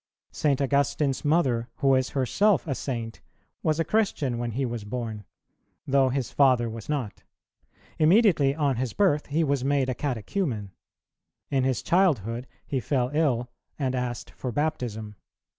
St. Augustine's mother, who is herself a Saint, was a Christian when he was born, though his father was not. Immediately on his birth, he was made a catechumen; in his childhood he fell ill, and asked for baptism.